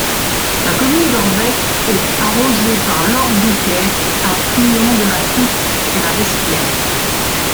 La commune d'Orbec est arrosée par l'Orbiquet, affuent de la Touques, et la Vespière.